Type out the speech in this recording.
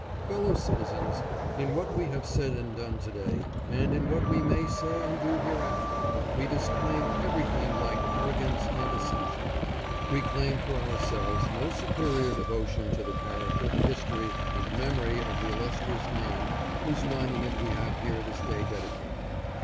Fellow citizens, in what we have said and done to day, and in what we may say and do hereafter, we disclaim everything like arrogance and assumption. We claim for ourselves no superior devotion to the character, his tory, and memory of the illustrious name whose monu ment we have here this day dedicated.